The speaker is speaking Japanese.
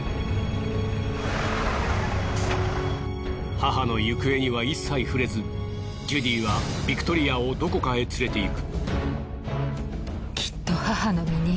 母の行方には一切触れずジュディはビクトリアをどこかへ連れて行く。